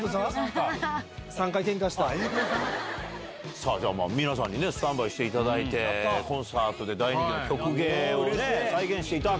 さぁ皆さんにスタンバイしていただいてコンサートで大人気の曲芸をね再現していただけると。